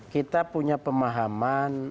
kita punya pemahaman